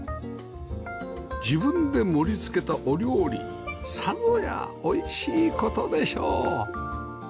自分で盛り付けたお料理さぞやおいしい事でしょう